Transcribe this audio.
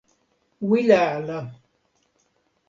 wile ala.